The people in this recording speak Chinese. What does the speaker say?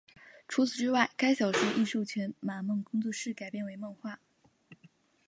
除此之外该小说亦授权梦马工作室改编为漫画。